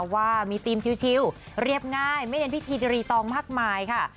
ว่ามีธีมชิวเรียบง่ายไม่เน้นพิธีรีตองมากมายค่ะ